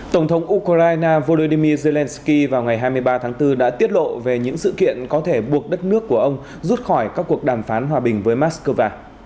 tổng thống ukraine volodymyr zelensky vào ngày hai mươi ba tháng bốn đã tiết lộ về những sự kiện có thể buộc đất nước của ông rút khỏi các cuộc đàm phán hòa bình với moscow